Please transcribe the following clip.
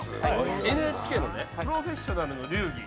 ＮＨＫのね「プロフェッショナル流儀」